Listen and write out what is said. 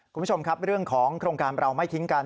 คุณผู้ชมครับเรื่องของโครงการเราไม่ทิ้งกัน